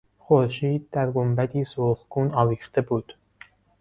خورشید در گنبدی سرخگون آویخته بود.